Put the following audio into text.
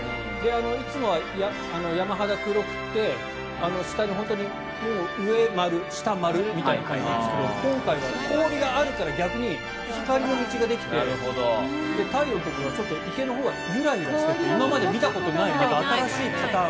いつもは山肌黒くて上、丸下、丸みたいな感じですが今回は氷があるから逆に光の道ができて太陽のところが、池のほうがゆらゆらしてて今まで見たことないような新しいパターン。